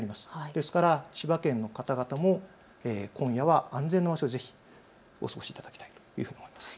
ですから千葉県の方々も今夜は安全な場所でぜひお過ごしいただきたいというふうに思います。